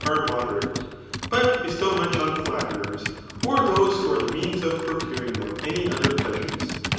Afe i^doderate, but bestow much on flatterers, or those who are the means of procuring them any other pkasures.